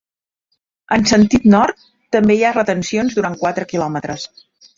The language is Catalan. En sentit nord també hi ha retencions durant quatre kilòmetres.